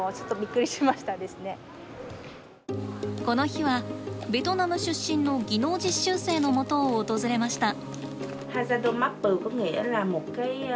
この日はベトナム出身の技能実習生のもとを訪れました。